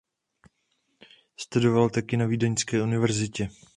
Studoval taky na Vídeňské univerzitě.